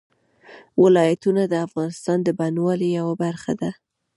ولایتونه د افغانستان د بڼوالۍ یوه برخه ده.